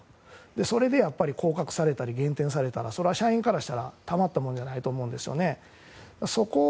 それで降格されたり減点されたらそれは社員からしたらたまったもんじゃないと思うんですよね。